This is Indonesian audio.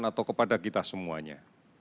atau kepada kita semuanya